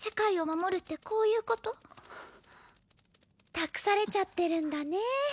託されちゃってるんだねぇ。